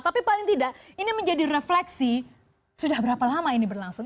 tapi paling tidak ini menjadi refleksi sudah berapa lama ini berlangsung